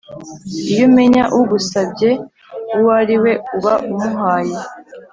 iyo umenya ugusabye uwo ariwe uba umuhaye